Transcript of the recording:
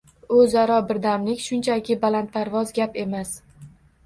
O‘zaro birdamlik shunchaki, balandparvoz gap emas